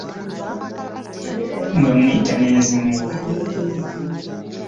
Nga mmuyita ne nzimuwa.